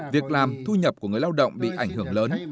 việc làm thu nhập của người lao động bị ảnh hưởng lớn